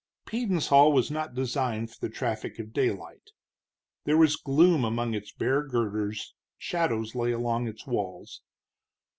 Peden's hall was not designed for the traffic of daylight. There was gloom among its bare girders, shadows lay along its walls.